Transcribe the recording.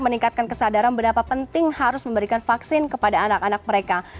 meningkatkan kesadaran berapa penting harus memberikan vaksin kepada anak anak mereka